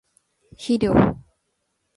肥料